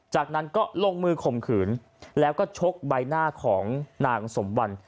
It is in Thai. จากนั้นก็ลงมือข่มขืนแล้วก็ชกใบหน้าของนางสมวัน